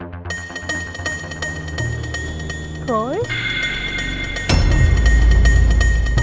ini bukan makan roy kan ini roy siapa